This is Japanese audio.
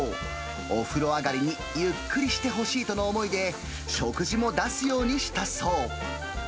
お風呂上がりにゆっくりしてほしいとの思いで、食事も出すようにしたそう。